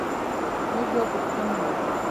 موږ یو پښتون یو.